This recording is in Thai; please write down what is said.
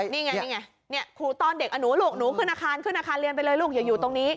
นี่ไงนี่ไงครูตอนเด็กหนูลูกหนูขึ้นอาคารเรียนไปเลยลูกอย่าอยู่ตรงนี้